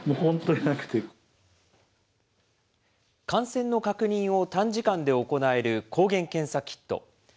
感染の確認を短時間で行える抗原検査キット。